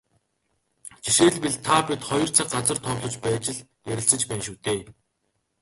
Жишээлбэл, та бид хоёр цаг, газар товлож байж л ярилцаж байна шүү дээ.